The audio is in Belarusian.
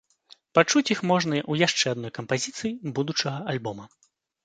Пачуць іх можна ў яшчэ адной кампазіцыі будучага альбома.